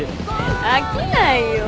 飽きないよ。